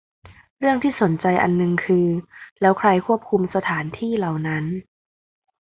เรื่องที่สนใจอันนึงคือ แล้วใครควบคุมสถานที่เหล่านั้น